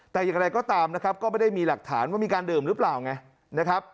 แต่อย่างไรก็ตามนะครับก็ไม่ได้มีหลักฐานว่ามีการดื่มหรือเปล่าไงนะครับ